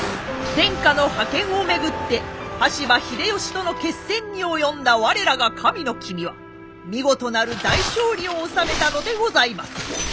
天下の覇権を巡って羽柴秀吉との決戦に及んだ我らが神の君は見事なる大勝利を収めたのでございます。